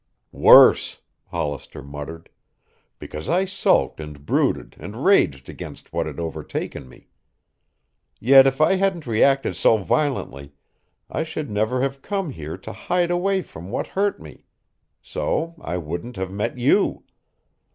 "Worse," Hollister muttered, "because I sulked and brooded and raged against what had overtaken me. Yet if I hadn't reacted so violently, I should never have come here to hide away from what hurt me. So I wouldn't have met you.